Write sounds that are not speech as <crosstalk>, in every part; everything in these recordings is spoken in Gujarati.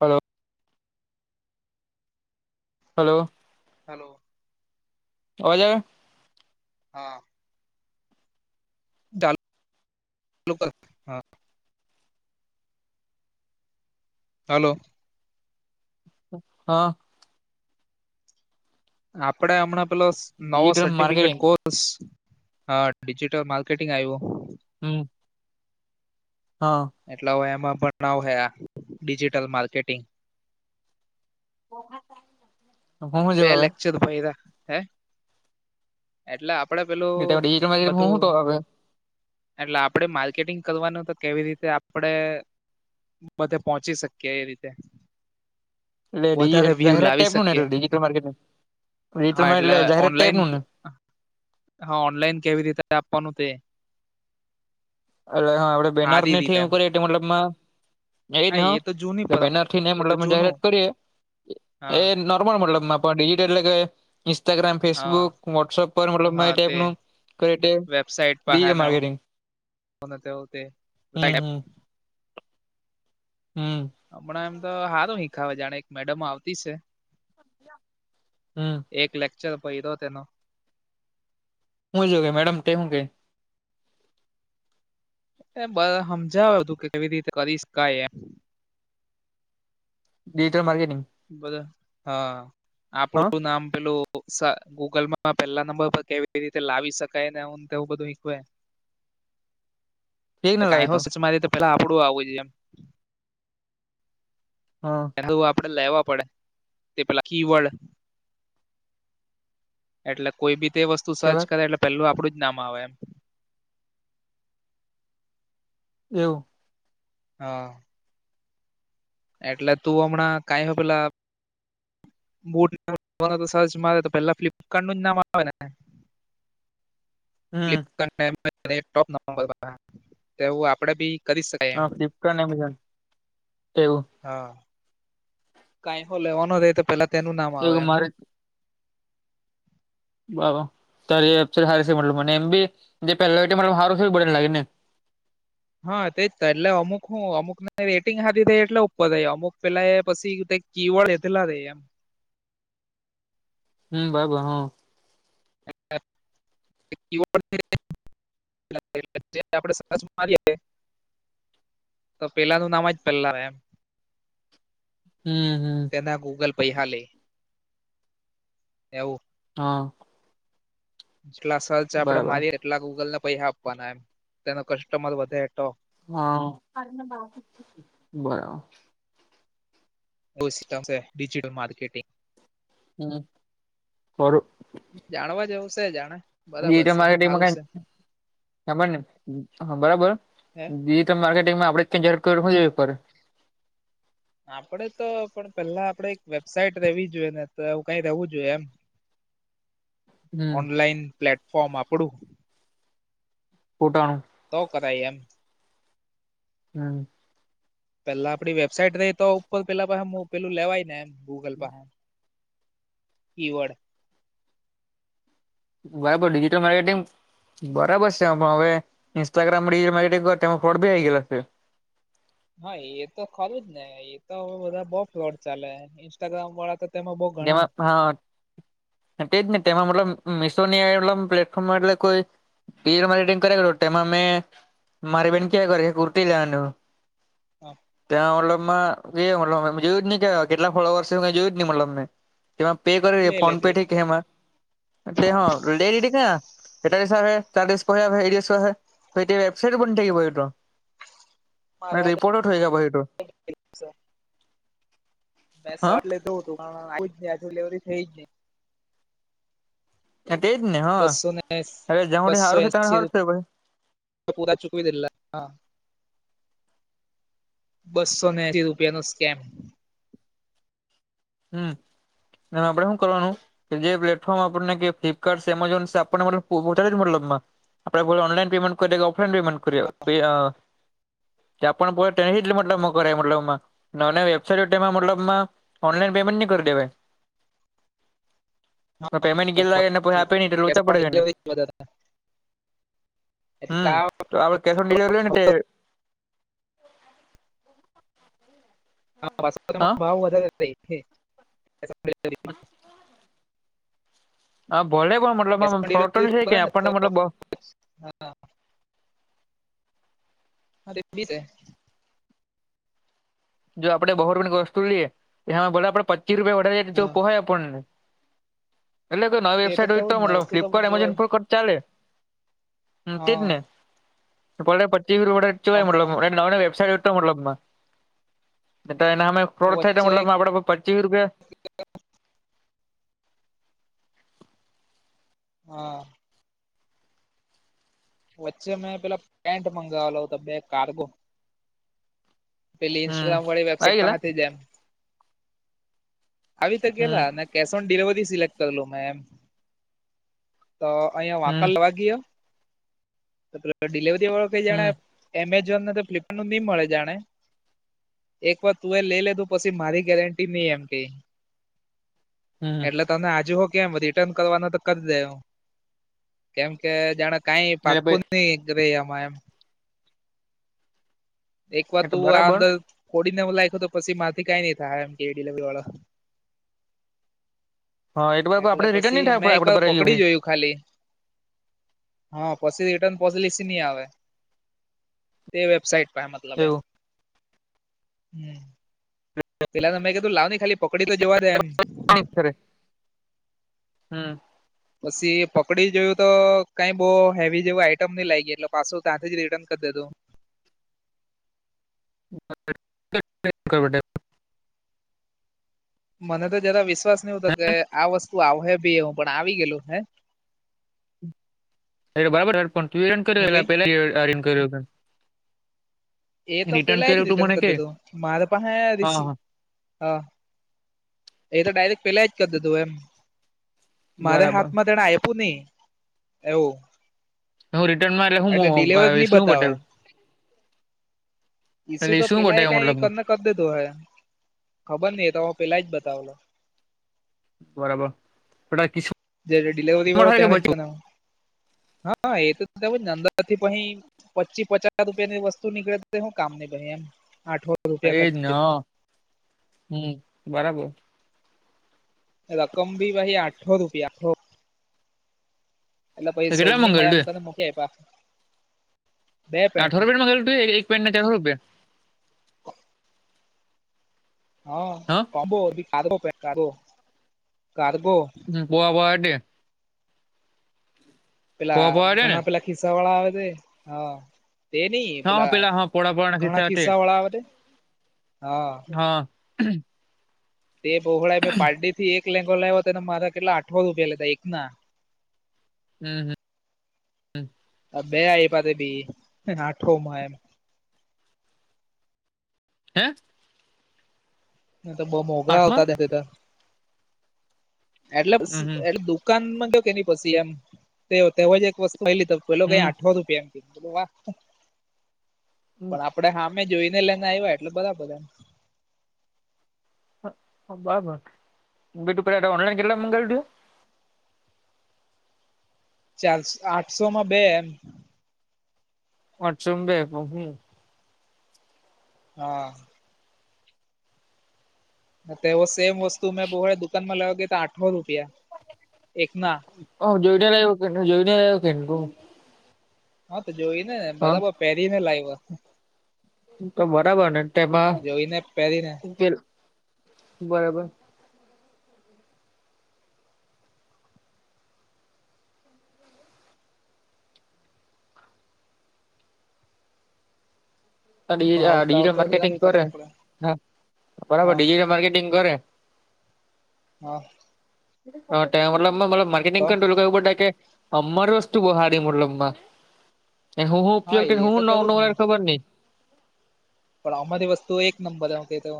હલો. હલો. હલો. હોજ. હા. <unintelligible> લ હા. હલો. હા. આપડે હમણાં પેલો નવો ડિજિટલ સર્ટિફિકેટ માર્કેટિંગ કોર્સ બસ હા ડિજિટલ માર્કેટિંગ આવ્યું. હમ. હા. એટલે હવે એમાં પણ હે ડિજિટલ માર્કેટિંગ બા. <inaudible> બે લક્ચર પાઈરા હે. એટલે આપડે પેલું ડિજિટલ માર્કેટિંગ હું હું તો બધું આવે એટલે આપડે માર્કેટિંગ કરવાનું તો કેવી રીતે આપડે બધે પહોંચી શકીએ એ રીતે, એટલે વધારે વ્યુ જાહેરાત લાવી ટાઈપનું શકીએ નેજિટલ માર્કેટિજટલ હા એટલે માર્ટલે જાહેરાત ઓનલાઈન ટાઈપનું ને. હા ઓનલાઈન કેવી રીતે આપવાનું તે. એ હા આપડે બેનર સારી ની રીતે થીમ એમ કરીએ મતલબમાં એ હા ન તો જૂની એ બેનર પરંપરા થી એ તો નેતલબ અ જૂનું જાહેરાત કરીએ. હા એ નોર્મલ મતલબ ડિજિટલ એટલે કે ઇન્સ્ટાગ્રામ હા ફેસબુક વોટસઅપ પરતલબાઈપ હા તે માર્કેટંગ. કોના તે હો તે, હમ હમ, હમણાં એમ તો સારું હિંખ આવે જાણે એક મેડમ આવતી છે. હમ. એક લેક્ચર ભી દો તેનો. હું જોગ મેડમ તે હું કેઈ? એ બધ સમજાવે તું કે કેવી રીતે કરીશકાય એમ. ડિજિટલ માર્કેટંગ- બધ હા હા આપડું નામ પેલું- ગૂગલપમાં પેલા નંબર પર કેવી રીતે લાવી શકાય નેવું બધું ખ- <inaudible> એક ના લાવે કઈ હો સચમારી તો પેલા આપડું આવું છે એમ- હા હું આપડે લેવા પડે તે પેલા કીબોર્ડ - એટલે કોઈ બી તે વસ્તુ સર્ચ કેવા કરે એટલે પેલું આપડું જ નામ આવે એમ- એવું હા- એટલે તું હમણાં કઈ હ પેલા- બૂટ સર્ચ મારે તો પેલા ફ્લિપકાર્ટ નું જ નામ આવે ને- હમ ફલપ લેપટોપ આપડે બી- કરી શકાય એમ હા ફ્લિપકાર્ટ એમેઝોન એવું- હા કઈ લેવાનો રે તો પેલા તેનું નામ આવે એવું એમ- મારે બ ત સારી છે મતલબ મને એમ બી જે પેલા સારું છે બને લાગે ને- હા તેજ થાય એટલે અમુક હું અમુક ને રેટિંગ હારી થઈ એટલે ઉપર થઈ અમુક પેલા એ પછીક- કવાળ એેલા રે એમ <unintelligible> હમ બારાબર <inaudible> આપે સરસ મારીએએ <unintelligible> તો પેલાનું નામ જ પલ્લા એમ- હમ હમ તેના ગૂગલ પૈહા લે એવું. હા. જેટલા સર્ચ આપડે બરાબર મારી એ એટલા ગૂગલને પૈસા આપવાના એમ તેનો કસ્ટમર વધે તો- હા બરાબર- બુશ સિસ્ટમ ડિજિટલ માર્કેટિંગ. હમ, ફરુ. જાણવા જેવું છે. જાણે બરાબર ડિજિટલ છે માર્કેટંગમાં સારું કાઇ છે સાભળ ને હ બરાબર હે ડિજિ માર્કેટીગ માં આપડે કેં હજાર કર- આપડે તો પણ પેલા આપડે એક વેબસાાઈટ રેવી જોઈએ ને તો એું કઈ રવું જોઈએ એમ. <inaudible> ઓનલાઈન પ્લેટફોર્મ આપડું- ફોટા નું- તો કરાઈ એમ- હમ પેલા આપડી વેબસાઈટ રઈ તો ઉપર પેલા હું પેલું લેવાય ને એમ- ગૂગલ પહન કીવર્ડ- ભાઈ ડિજિટલ માર્કેટિંગ- બરાબર છે. એ પણ હવે ઇન્સ્ટાગ્રામ રીલમાં ફોડ બી આઈ ગેશે- હા એ તો ખરું જ ને એ તો બધા બહ ફ્લોડ ચાલે ઇન્સ્ટાગ્રામ વાળા તો- તેમાં બહુ ઘણા- હા તે જ ને તેમાં મતલબ મિશો ની પ્લેટફોર્મમાં એટલે કોઈ- ડિજિટલ માર્કેટિંગ તેમાં મેં મારી બેન કેવા કરે છે. કુર્તી લેવાનું. ત્યાં મતલબ માં- એ મતલબ જોયું જ નહી કે કેટલા ફોલોવર્સ કે જોયું જ ન મતલ મે જેમાં પે કરી લે ફોન- લેતી કેમાં? <unintelligible> તો તે વેબસાઈટ બન થઈ હોય તો ભાઈ મારા રિપોર્ટટ થયાં પછી તો. હા <unintelligible> થઈ જ નહી. તે જ ને હા બસો ને હવે જ્યાં સુધી બસો સારું છે ત્યાં એસી સારું છે પછી પૂરા ચૂકવીને દેલા હા. બસો ને એંસી રૂપિયા નો સ્કેમ. હમ એ આપડે શું કરવાનું. કે જે પ્લેટફોર્મ આપણને કે ફ્લિપકાર્ટ એમેઝોન આપણને મતલબ પહોંચાડે છે મતલબમાં. આપડે લો ઓનલાઈન પેમેન્ટ કરી કે ઓફલાઇન પેમેન્ટ કરીએ ત્યાં પણ તે મતલબ કરે મતલબમાં વેબસાઇટ એમાં મતલબમાં ઓનલાઈન પેમેન્ટ ને કરી દેવાય. પર પેમેન્ટ ગેલ લાગે, પછી આપે નહી તો, લોચા પડે જાય ને. હમ તો આપડે કેશ ઓન ડિલિવર હોય ને હા ભાવ વધારે <unintelligible> આ ભલે પણ મતલબ ફરી નઈ કે આપણને મતલબ હા હા <unintelligible> જો આપણે બહો રૂપિયા ની વસ્તુ લઈએ તો એમાં ભલે આપડે પચી રૂપિયા વધીએ તો પોહાય આપડ ને. એટલે કોઈ તે વેબસાઈટ હોય તેવું તો જ ને મતલબ વસ્તુ તો ફિલપકાર્ટ એમેઝોન જોવાય પર કર ચાલે હ હા તેજને બલે પચીસ હમણાં રોડે <unintelligible> વેબસાઇટ મતલબ માં એટલે એને અમે ફોર્ડ થાય તો વચ્ચે મતલબ આપડે પચીસ રૂપિયા હા. વચ્ચે મેં પેલા પેન્ટ મંગાવેલો હતો બે કાર્ગો. પેલી હમ ઇન્સ્ટાગ્રામ વાળી આવી ગયેલા વેબસાાઈટ થઇ જાય એમ. આવી તો હમ ગેલા ને કેશ ઓન ડિલેવરી સિલેક્ટ કરેલુ મે એમ. તો અહિયાં હમ વાંકણ લવ ગીયો પ ડિલિવરી વાળો કઈ જાણ હમ એમેઝોન ને તો ફ્લિપકાર્ટ નું નહી મળે જાણે એક વાર તું એ લઈ લેધું પછી મારી ગેરંટી નહી એમ કે હમ એટલે તને આજુ હો કેમ રિટર્ન કરવાનો તો કરી દે હું, કેમ કે જાણે કઈ એટલે ભઈ પાકું નહી ર મામ <inaudible> એક વાર એ તો તું આ બરાબર અંદર કોડીને લાયક તો પછી માંથી કઈ નઈ થાય એમ કે ડિલવરી વાળો હા એ બરાબર એટલે આપડે રિટર્ન નહી પછી મેં થાય એક આપડે વાર ભરાઈ પકડી ગયું જોયું. ખાલી હા પછી રિટન પોછલસી નહી આવે. તે વેબસાઇટ મતલબ એમ, એવું હમ પેલા મેં કીધું લાવ ને ખાલી પકડી તો જોવા દે એમ. <inaudible> હમ પછી પકડી જોયું તો કઈ બહુ હેવી જેવું આઈટમ નહી લાગી, એટલે પાછું ત્યાંથી જ રિટર્ન કર દિધું. <unintelligible> મને તો જરા વિશ્વાસ નહતો કે આ વસ્તુ આવે ભી હું પણ આવી ગેલું હે. એ બરાબર હ પણ તું હેરન કર હું કઈ એલા પેલા આ રન કર્યો. એ તો પેલા જ રિટર્ન કર દેતો મારે પાહે રિસ હા હા હા એ તો ડાયરેક્ટ પેલા જ કર દિધું એમ. મારે બરાબર હાથમાં તેને આપ્યું નહી એવું. હું રિટર્નમાં એટલે શું ડિલિવર નહી બતાવે મંગાવીયું? ઈસુ એલી તો શું પેલા બટે એ કઈ મતલબ? કરીને કરી દેધું હય, ખબર નહ ત પેલા જ બતાવલો. બરાબર એ કસું જે ડિલવરી વાળો તેળે કરાઉ હા એ તો અંદરથી પહી. પચી પચાસ રૂપિયા ની વસ્તુ નીકળે તે હું કામ ની ગળી એમ. આઠો રૂપિયા એજ ખર્ચી ના હમ બરાબર, રકમ ભી ભાઈ આઠો રૂપિયા. એટલે તો પછી સોડ કેટલા નની મ મંગલ આમ તું તો મૂકી પા. અઠાર રૂપિયા માંગલ તું એક પેન્ટ ના ચાર રૂપિયા હા કોમ્બો કાર કારગો કારગો? હ બવા બ દે. પેલા પોવા પોવા દે ને ઘણા પેલા ખિસ્સા વાળા આવે તે હા. તે નહી હા હા પેલા હા પોળા પોળા ના ઘણા હટે ખિસ્સા વાળા તે, હા હમ તે બહોળા મેં પારડી થી એક લેંગો લાવ્યો હતોને મારા કેટલા આઠવા રૂપિયા લેતા એક ના? હમ હમ બે આઈપ્યા તે દી એ પાસે બી આઠો માં એમ. હે. તો બઉ મોંઘા આઠમાં આવતાતા <inaudible> એટલે હમ એટલે દુકાનમાં ક કે ન પછી એમ જ, એક વસ્તુ આલી દવ પેલો કઈ હમ આઠહો નું પેંટ સૈ મે કિધું વા હમ પણ આપણે હા મેં જોઈને લઈને આવ્યા એટલે બરાબર એમ. બરાબર બેટું પ ઓનલાઈન કેટલા મંગાવી તે? ચારસો આઠસો માં બે એમ. વછ બે હમ. હા તેવ સેમ વસ્તુ મેં બો દુકાનમાં લેવા ગયા તો, આઠો રૂપિયા એકના? હ જોઈને લ કે જોયઈને લ્યો કેન કો હા તો જોય ને હા બરાબર પહેરીને લાઈવા. તો બરાબર ને તેમાં પહેરીને ઉકેલ બરાબર. <unintelligible> ભાવતાવ ડીજીટલ તો જરાક માર્કેટીગ કરે કરવો પડે હા બરાબર હા ડીજીટલ માર્કેટિંગ કરે હા. <unintelligible> તો અમારી વસ્તુ બહારી મતલબમાં એ હું હું હા ઉપયોગ કરી એ તો હું થવું જ ને <unintelligible> ખબર નઈ પણ અમારી વસ્તુ એક નંબર એમ કેતો.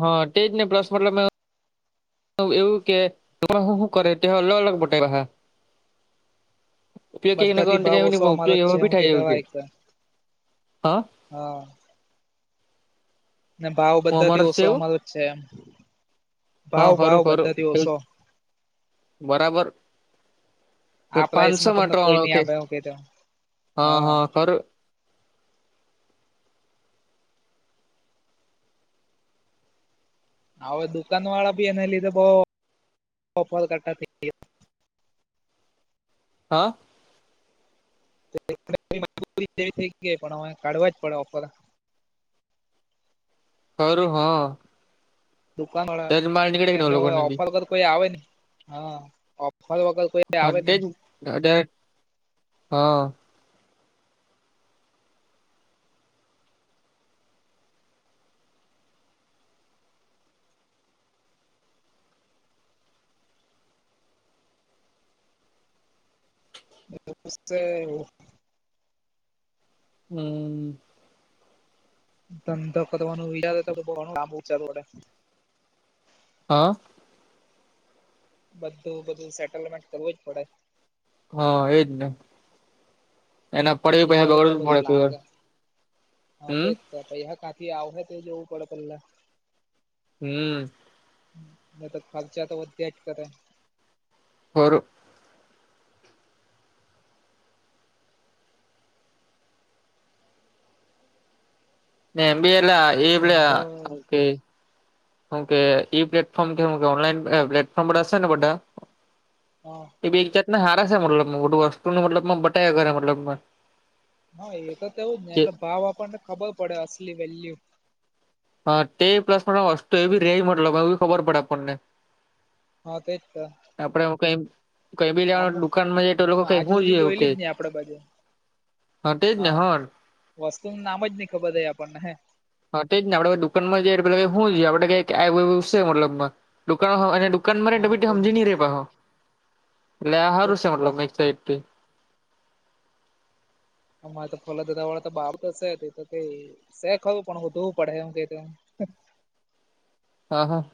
હા તે જ ને પ્લસ મતલબ એવું કે હું કરે તે અલગ અલગ બટાઈ હા. બધા થી ભાવ ઓછો અમારો જ છે એમ કેતા એક <unintelligible> હા. ને ભાવ હું બધા થી જ છે ઓશો એવું અમારો જ છે એમ. હા ભાવ ખરું ભાવ ખરું બધાથી એવું ઓશો. બરાબર આ પાંચસો પ્રઇસમાં માં તમને કોઈ ત્રણ નહી ઓકે આપે એવું કેતો, હા. હવે દુકાન વાળા ભી એને લીધે બહું કરતા. હા? <unintelligible> પણ કાઢવા જ પડે ઓફર. કરૂ હા. દુકાન વાળા તેજ માલ નીકળે કે તેમને લોકોને બી ઓફર વગર કોઈ આવે ને હા, ઓફર વગર કોઈ આવે નહી <unintelligible> <unintelligible> હમ્મ. ધંધો કરવાનું <unintelligible> તો આબુ ચાલુ પડે. હા? બધું બધું સેટલમેન્ટ કરવું જ પડે. હા, એજ ને. એના પડે <unintelligible> વિચારવું દોડવું બધું પડે લાંગ હમ્મ. <unintelligible> હા ખાથી આવે તે જવું પડે પહેલા. હમ. તો તો ખરચા તો ચેક કરે. ઓર. ઊભેલા એવાલા ધંધો અકે. હુકે ઈ પ્લેટફોર્મ કે ઓનલાઈન પ્લેટફોર્મ રેશે ને બધા. હા. એ બી એક જાતને હારા છે મતલબ મોટુું વસ્તુું મતલબમાં બટાયા કરે મતલબ હા એ તો તો એવું જ ને એટલે ભાવ આપણને ખબર પડે અસલી વેલ્યુ હા તે પ્લસ મસ્તો એ બી રેય મતલો એ ખબર પડે આપણને હા તે જ તા. આપડે હું કઈ કઈ બી લેવા દુકાનમાં જ તો લોકો હા કઈ આજ હું જ સુધી એવું કે જોયેલી ને આપડે બધે હા તે જ ને હર. વસ્તુ નુ નામ જ નહી ખબર રે આપણને હે. હા તેજ ને આપડે દુકાનમાં જે શું પેલો કે શુ લઈ આપડે કે મતલબ દુકાન <inaudible> કનરે હા ટબીટી તેજ સમજી ને નહી રેહો એટલે આ તેજ તો સારું છે મતલબ અરે તો ફોલા દાદા વાળા તો બા તો છે ક શેખરૂ પણ હું જોવુ પડે એવુ કિઘુ હા હા.